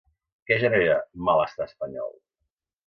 Què genera 'malestar espanyol'?